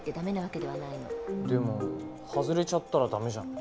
でも外れちゃったら駄目じゃん。